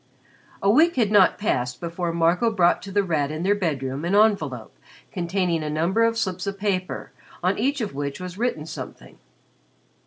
A week had not passed before Marco brought to The Rat in their bedroom an envelope containing a number of slips of paper on each of which was written something.